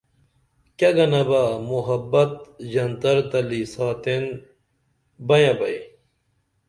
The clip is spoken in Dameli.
کیہ گنبہ محبت ژنتر تلی ساتین بینبئ